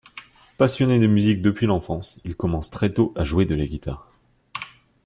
Passionné de musique depuis l'enfance, il commence très tôt à jouer de la guitare.